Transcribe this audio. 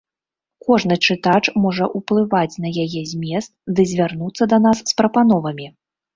Кожны чытач можа ўплываць на яе змест ды звярнуцца да нас з прапановамі.